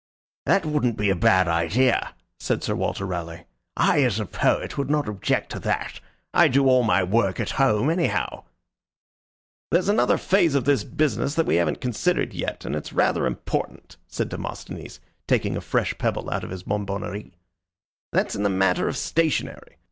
"That wouldn't be a bad idea," said Sir Walter Raleigh. "I, as a poet would not object to that. I do all my work at home, anyhow." "There's another phase of this business that we haven't considered yet, and it's rather important," said Demosthenes, taking a fresh pebble out of his bonbonniere. "That's in the matter of stationery.